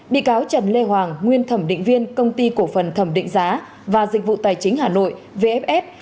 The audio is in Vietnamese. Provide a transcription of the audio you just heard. bị cáo trần lê hoàng nguyên thẩm định viên công ty cổ phần thẩm định giá và dịch vụ tài chính hà nội vfs